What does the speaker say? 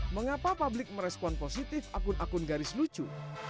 mengapa publik merespon positif akun akun garis lucu